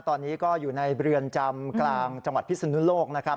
ตอนนี้ก็อยู่ในเรือนจำกลางจังหวัดพิศนุโลกนะครับ